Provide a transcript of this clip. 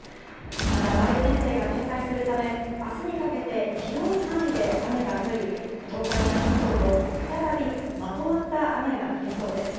また梅雨前線が停滞するため、あすにかけて広い範囲で雨が降り、東海や関東も、再びまとまった雨が降りそうです。